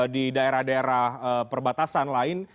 di daerah daerah perbatasan lain